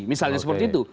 misalnya seperti itu